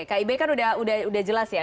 kib kan udah jelas ya